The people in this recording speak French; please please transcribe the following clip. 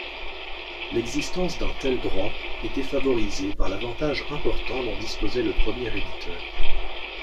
L'existence d'un tel droit était favorisée par l'avantage important dont disposait le premier éditeur.